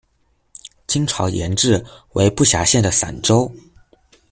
清朝沿置，为不辖县的散州。